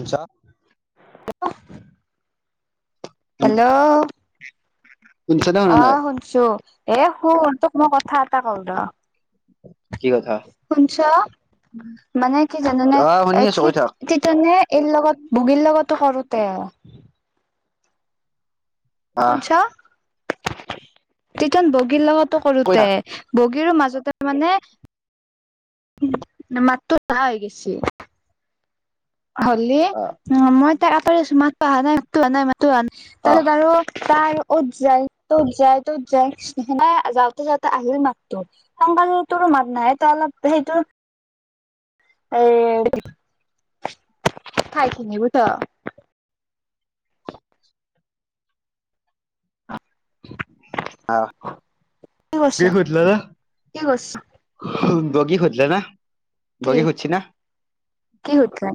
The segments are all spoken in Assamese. উছ [inaudible] হেল্ল' অ শুনি শুনিছানে শুনা নাই [unintelligible] চু, এ শুন তোক মোৰ কথা এটা কও ৰ কি কথা? শুনছ মানে কি জাননে আহ শুনি এথ আছো [inaudible] কৈ থাক সতিজনে এইৰ লগত ভগীৰ লগৰতো কৰোতে আহ শুনিছ তিজন বগীৰ লগৰতো কৈ কৰোতে থাক [inaudible] বগীৰো মাজতে মানে মাততো নাহা হৈ গৈছে হলি আ অ মই তাক আপাৰ আছো মাত পোৱা অহা নাই মো হোৱা নাই মাতো অহা নাই আহ তাৰপাছত আৰু তাই [unintelligible] 'ত যায় ত'ত যায় তত যায় নাই যওঁতে যাওঁতে আহিল মাত ত [unintelligible] সমকাল তৰো মাত নাই ত অলপ হেইটো [unintelligible] এই খাইখিনিবট [unintelligible] আহ কি হলঅ কি কৰিছ? [inaudible] বগি খজিলা ন কি বগি খজচ না [inaudible] কি শুধিলা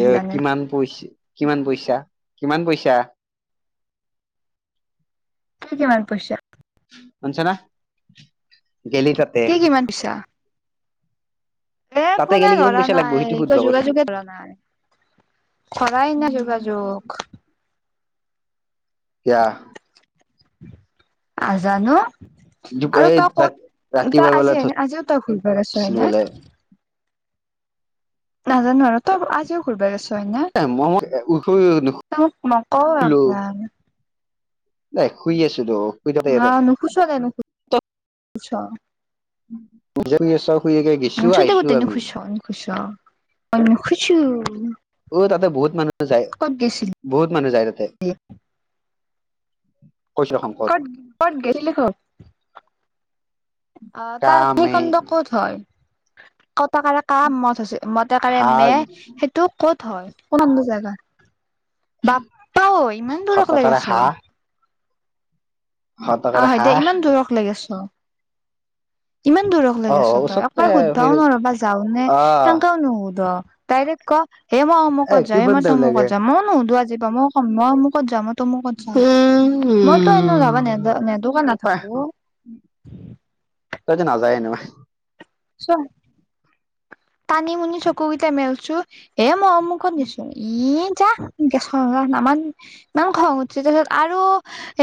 এ কিমান পইচ কিমান পইচা কিমান পইচা [inaudible] কি কিমান পছা [inaudible] শুনছা না গেলি তাত [unintelligible] কি কিমান পিছা [unintelligible] এ তাতে ফোনে গেলি কিমান ধৰা পইচা লাগব নাই সেইটো সুধবা একো কৈছো যোগাযোগে ধৰা নাই [inaudible] খৰাই নে যোগাযোগ [unintelligible] কিয়া [inaudible] আজানো [inaudible] আৰু এই তই ক'ত ৰাতিপুৱা তই বেলা আজিনে আজিও তই ঘৰি ভ আছ ধৰিছিলো হয়নে বোলে [unintelligible] নাজানো আৰু [inaudible] তই আজিও ঘূৰিব গৈছ হয়নে তই মোক শুলো মক [unintelligible] নাই শুই আছো দো [unintelligible] অা নু খুছ নাই নছ শুই আছ শুই গেছো [unintelligible] চতে ক আহিছো তে ন আমি খুছ নি খুছ [unintelligible] অ মো খুছো। অ তাতে বহুত মানুহ যায় বহুত মানুহ যায় তাতে। কৈছো শংকত ক কত গৈছিলি কোট অ তাত কামে সেইখনবা ক'ত হয়, কতাকাৰে কা মদ হৈছে মটয়েকাৰ হাঁহ মে সেইটো ক'ত হয়, কোন আন জেগাত বাপা ঔ ইমান দূৰ অকলে সতকাৰে গেছো। হাঁহ অ সতকাৰে হয় দে হাঁহ ইমান দূৰক লই গৈছ। ইমান দূৰক লৈ অ গৈছ তই, ওচৰতে একবাৰ সুধবাও নোৱাৰবা যাও নে আহ তেনেকাও নুশুধ। দাইৰেক ক হেই মই এ অমুকত যােই কিমান মই টাইম অমুকত লাগে যা মইও নোধোৱা আজিৰ পৰা, ময় কম মই অমুকত যামওঁ ত ম কত চা মইতো এনে যাবা নেদ নেদকাে নাথাকো। তই যে নাযায় এনোৱে। চ তানিমুনি চকু কেইটা মেলছো হে মই মুখত নিছো ই যা। খ আমান ইমান খং উঠি তাৰপিছত আৰু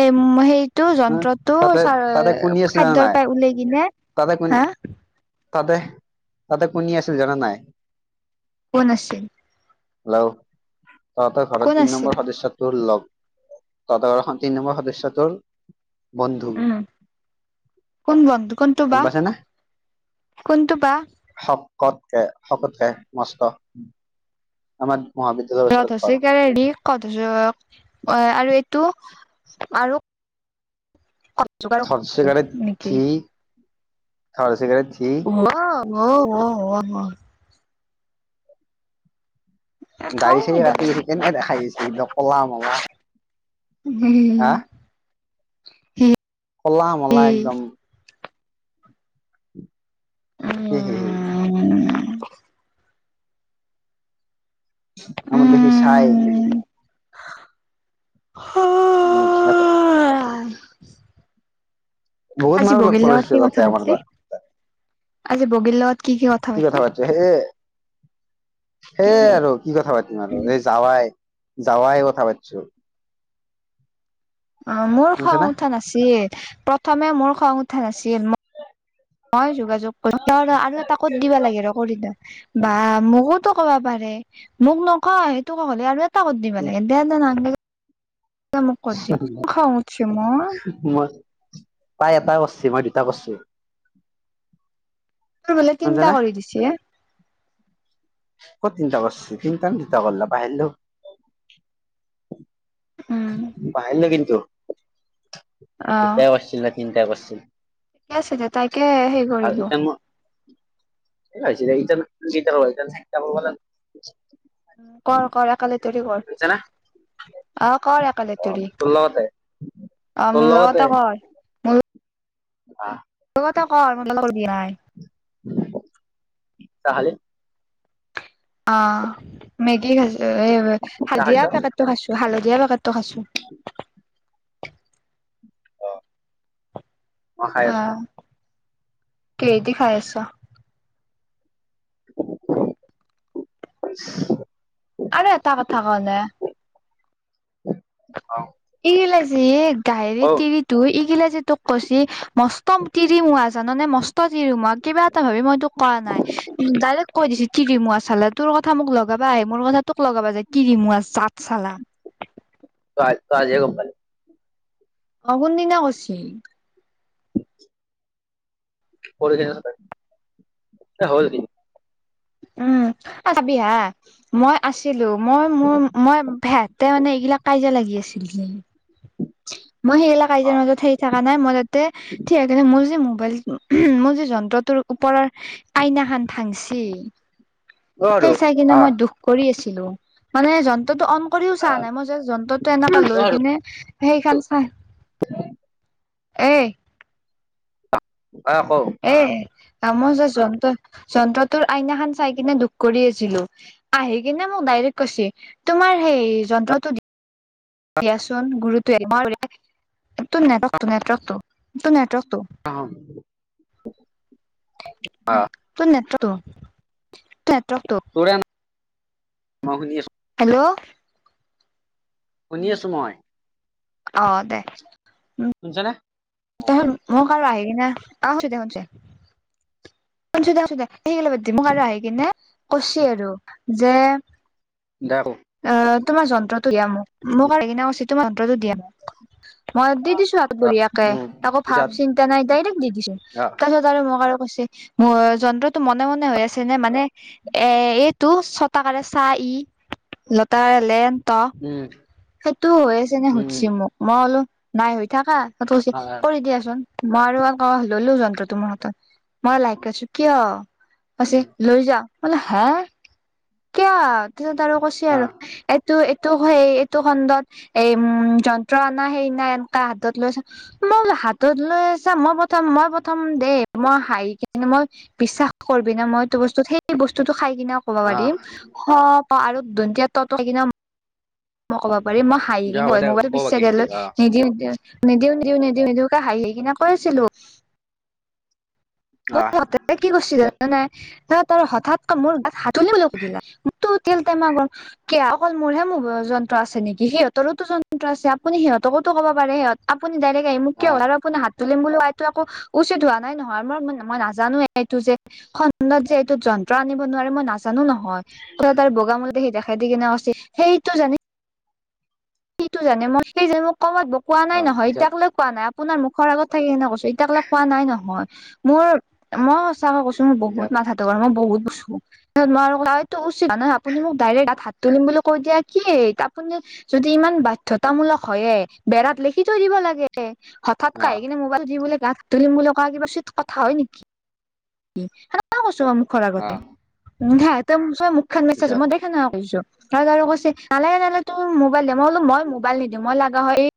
এ সেই টো যন্ত্ৰতটো তাতে চ তাতে কুনি আছে জানা খাদ্যয়ৰ নাই পৰাই উওলাই কিনে তাতে কুনি হা তাতে তাতে কুনি আছিল জানা নে নাই? কোন আছে। হেল্ল, তহঁতৰ কোন ঘৰত তিন আছিল নম্বৰ সদস্যটোৰ লগ তহতৰ এখন তিনি নম্বৰ সদস্যটোৰ বন্ধু উম কোন বন্ধু কোনটো গম বা পাইছা নে কোনটো বা শকতকে শকতকে মস্ত। আমাৰ মহাবিদ্যালয় ৰ সছৰীকাৰে ৰি কত সছৰীকাৰে আৰু এইটো আৰু থাতচি কাৰে নেকি ধি থত সছৰীকাৰে থি। অ অ অ অ দাড়ি চাৰি কাটি কিনে দেখা গৈইছে একডম কলা মলা। হা উম। কলা মলা একদম। হি হি হি [inaudible] আমাৰ দেখি চাই সি। হা উম চাপে বহুত আজি মানুহ লগ বগিৰলগত পাইছো কি তাতে কথা আমাৰ পাতিলি? তাত আজি বগিৰলগত কি কথা পাতি হেই হেই আৰু কি কথা পাৰতিম আৰু এই যাৱাই যাৱাই কথা পাতিছো। অ মোৰ শুনিছা খং না উঠা নাছিল, প্ৰথমে মোৰ খং উঠা নাছিল। মই যোগাযোগ কৰি আৰু এটা ক'ত দিবা লাগে ৰ কৰি বা মোকোতো কবা পাৰে, মোক নকই সেইটো ক হলে আৰু এটা কৰি দিবা লাগে দে দে ন মোক কত দিয়ক খং উঠিছে মোৰ। মই তাই এটা কৰছি, মই দুটা কৰিছো। আৰু বোলে শুনিছা তিনিটা না কৰি দিছে। কট তিনিটা কৰিছে তিনিটা না দুটা কৰিলা বাহিৰিলোঁ উম পাহৰিলো কিন্তু অ দুটাই কৰিছিল নে তিনিটাই কৰিছিল। ঠিকে আছে দে তাইকে হেৰি কৰিলো। এই আহিছিলে [unintelligible] চিন্তা অথবা না। কৰ কৰ একালেতৰি কৰ শুনিছা না আহ কৰ একালেতৰি তোৰ টু। লগতে অ তোৰ মোৰ লগতে কৰ। আ আ। তোৰ কথা ক মই লগৰ গিয়াই। ভু ভু ক তাহলে। অ অ অ, মেগী খাইছো এই চাহ হালধীয়া খাইছ পেকেটটো খাইছো হালধীয়া পেকেটটো খাইছো। মই খাই আছো আহ কি দি খাই আছ? কুকু কুহু কু ইস্। আৰু এটা কথা কলে। ইল আছি গাইৰী অ তি! তুই ইগিলা যে তোক কৈছি ইহ আ মস্তম তিৰিমোৱা জান নে মস্ত তিৰিমোৱা কিবা এটা ভাবি মই কৰা নাই ই ই উম উ ডাইৰেক্ট কৈ দিছ তিৰিমুআ চালা তোৰ কথা মোক লগাবা আহে মোৰ কথা তোক লগাবা যায় তিৰিমুৱাজ জাত চালা। ত আজ ত আজি গমাল। অ কোন দিনা কৈছে? চি পৰিজিনা সাতাই এ হ'ল কি? উম উ উ আহ, থাকবি হা মই আছিলো মই মোৰ মই ভেট তে মানে এইগিলাক কাজিয়া লাগি আছিল হুম উ। চেই মই সেইবিলাক কাজিয়াৰ মাজত হেৰি থাকা নাই মই তাতে হে- ঠিক এনেদৰে মোৰ যে মোবাইল উমহু মোৰ যে যন্ত্ৰটোৰ ওপৰৰ এ এ এ আইনাখান ভাংচি অ আৰু সেই চাই কিনে মই আহ দুখ কৰি আছিলো মানে যন্ত্ৰটো অন কৰিও চাহ নাই মই যে যন্ত্ৰটো এনেকে লৈ কিনে এ এ এ। সেই কাৰণ ছাই। উঃ এ এ। এ এ এই। হয় আকৌ। এ আ মই যে যন্ত্ৰ যন্ত্ৰটোৰ আইনাখান চাই কিনে দুখ কৰি আছিলো। আহি কিনে মোক ডাইৰেক্ট কৈছে এ এ এ তোমাৰ সেই যন্ত্ৰটো দি দিয়াচোন গুৰুটোৱে ইমান কৰে। তোৰ নেটৱৰ্কটো নেটৱৰ্কটো তোৰ নেটৱৰ্কটো। অঃ। উ, অ তোৰ নেটৰ্টো তোৰ নেটৱৰ্কটো। তোৰে ন সোমাব দি আছে। হেল্ল'! শুনি আছো মই। অ অ দে। শুনছা না? তহ মই কাল আহি না আহচ দেখোনচ। আহিঁছো দে আছো দে সে আৰু বাদ দে মোৰ ফালে আহি কিনে কৈছে আৰু যে- দেখো। অ অ অ, তোমাৰ যন্ত্ৰটো দিয়া মোক মোক আৰ সেইকাৰণে কৈছে তোমাৰ যন্ত্ৰটো দিয়া মোক ঠ্। মই দি দিছো অ আগবঢ়িয়াকে উম তাকো ভাৱ পিছত চিন্তা নাই ডাইৰেক্ট দি দিছো অ তাৰপিছত [unintelligible] মোক আৰু কৈছে মো যন্ত্ৰটো মনে মনে হৈ আছে নে মানে এ এইটো ছটাকাৰে চা ই। লতাৰ লেন ত উম সেইটো হৈ আছে নে উম সুধছি মোক। মই বুলো নাই হৈ থাকা সটোচি অ কৰি দিয়াচোন। মই আৰু আ হ ললো যন্ত্ৰ তোমাৰ হাতত, মই লাইক আছো কিয়? কৈছে লৈ যা বোলে হা! কিয় তছত আৰু কৈছে আৰু অ এইটো এইটো সেই এইটো খণ্ডত এই উম যন্ত্ৰ আনা সেইনা এনেকা হাতত লৈছা মই বোলো হাতত লৈ আছা, মই প্ৰথম মই প্ৰথম দেই মই হাৰি কিনে মই বিশ্বাস কৰিবি না মইতো বস্তু সেই বস্তুটো খাই কিনেও ক'ব পাৰিম। হ প আৰু ধনতিয়া ত টো [unintelligible] কিনা মই ক'ব পাৰি ম হায় অ দে কিনে হ'ব হয় দে ক মোবাইলটো পিছে বাকী খিনি অ [unintelligible] নিদিওঁ নিদিওঁ নিদিওঁ নিদিওঁকে হাঁহি কিনে কৈ আছিলোঁ। মই অ ততে কি কৰিছিল পিছত জান নাই ত ত হঠাৎ মোৰ গাত হাতলিবলৈ সুধিলাক [unintelligible] তিল তে [unintelligible] কি অকল মোৰহে মোৰ যন্ত্ৰ আছে নেকি সিহঁতৰোতো যন্ত্ৰ আছে আপুনি সিহঁতকোতো ক'ব পাৰে সিহঁত আপুনি ডাইৰেক্ট আহি মোক অ কিয় হল আৰু আপুনি হাত তোলিম বুলি [unintelligible] কোৱা উচিত হোৱা নাই নহয়, মই [unintelligible] মই নাজানো এইটো যে খণ্ডত যে এইটো যন্ত্ৰ আনিব নোৱাৰে, মই নাজানো ন। হয় ত তাৰ বগা মলতে সি দেখাই দি কিনে অস্তি সেইটো জানি ইটো জানে মই সেই যে মোক ক'বাত ব কোৱা নাই অ নহয় পিছত এতিয়াক লৈ কোৱা নাই, আপোনাৰ মুখৰ আগত থাকি সেনে কৈছোঁ এতিয়া কলে কোৱা নাই নহয়, মোৰ মই চা মই কৈছোঁ মোৰ বহুত পিছত মাথাটোৰ, মই বহুত কৈছো। [unintelligible] নোৱাৰো উচিত নহয় আপুনি মোক ডাইৰেক্ট তাত হাত তুলিম বুলি কৈ দিয়া কি আপুনি য দি ইমান বাধ্যতামূলক হয়য়ে বেৰাত লিখি থৈ দিব লাগে। এ হঠাৎ অ কাই কিনে মোবাইলত যি বোলে গাত তুলিমো লগা কিবা চিত কথা হয় নেকি? কি সেনেকুৱা কৈছো মুখৰ অ আগতে। [unintelligible] তই চে মুখখান বেচাইছ পিছত মই দেখে না কৈছো তাত আৰু কৈছে নালাগে নালে তোৰ মু মোবাইল দে, মই বলো মই মোবাইল নিদিওঁ, মই লাগা হয় এই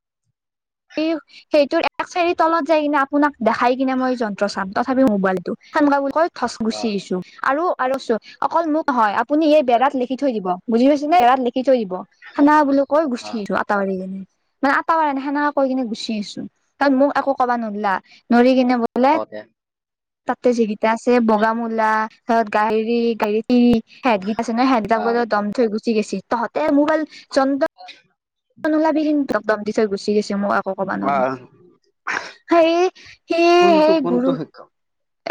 এই সেইটোৰ এক চাৰি তলত যাই কিনে আপোনাক দেখাই কিনে মই যন্ত্ৰ চাম তথাপি মোবাইলটো [unintelligible] থচ অ গুচি আহিছোঁ আৰু আৰু চ অকল মোক হয় আপুনি এই পিছত বেৰাত লিখ খি থৈ দিব বুজি পাইছে নে? বেৰাত লিখি থৈ দিব, খানা বুলি কৈ অ গুচি থ আ টা বাঢ়িলে মানে আটাৰ পৰা দেখা না কৈ কিনে গুচি আছোঁ তাত মোক একো কবা নোলা নৰি কিনে বোলে কওঁতে তাতে যিকেইটা আছে বগামূ্লা ধৰ [unintelligible] ই হেডগীত আছে নহয় হেড যাক অ বলৈ দম থৈ গুচি গৈছি তহতে মোবাইল যন নোলাবি কিন্তু ধম দম দি থৈ গুচি গৈছে মোক আ অ ভগৱানৰে, সেই সেই কোনটো সেই গুৰু কোনটো শিক্ষক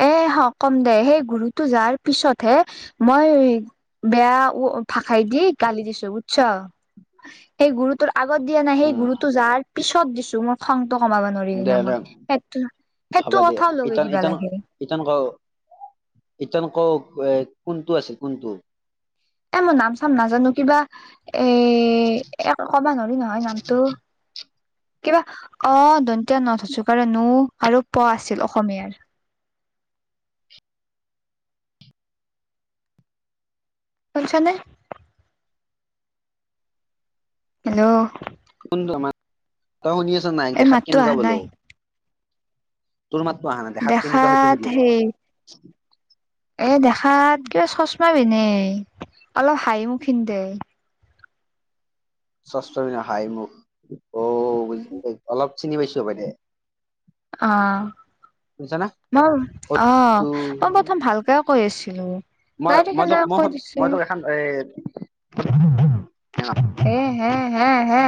এ হ কম দে সেই গুৰুতো যাৰ পিছতহে মই বেয়া উ ভাষাই দি গালি দিছোঁ বুজছ? সেই গুৰুত আগত দিয়া নাই সেই উম গুৰুতো যাৰ পিছত দিছোঁ মই খংটো কমাব নোৱাৰিলি দে ন দে মই সেইটো সেইটো কথাও লগাই দিবা লাগে। ইতন ঘ, ইতন কওক এ কোনটো আছে কোনটো? এ মই নাম চাম নাজানোঁ কিবা এ একো কব নোৱাৰো নহয় নামটো। কিবা অ দন্তিয়া নত হচও কাৰে নো আৰু প আছিল অসমীয়াৰ। শুনিছা নে? হেল্ল'। [unintelligible] তই শুনি আছা নাই, এই দেখাত মাতটো কেনেকুৱা অহা ব'লো। নাই তোৰ মাততো আহা নাই দেখাত কেনেকুৱা সেইতো সুধি আছো মই। এ দেখাত কিবা চচমা পিন্নে, অলপ হাঁহি। [unintelligible] চচমা পিনহে অলপ হাঁহি মুখ অ' অলপ চিনি পাইছোঁ হপাই দে। অ' শুনিছা না মই অত অ' তো মই প্ৰথম ভালকে কৈ আছিলোঁ। মই মই তোক মই এখন এ [unintelligible] এ হে হে হে।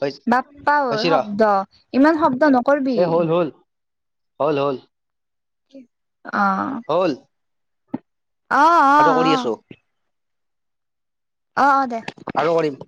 হৈ- বাপ্পাও হৈছে ৰ শব্দ ইমান শব্দ নকৰিবি। এ হ'ল হ'ল হ'ল হ'ল। অ'। হ'ল। অ অ অ সাজো কৰি আছোঁ। অ', অ' দে। আৰু কৰিম।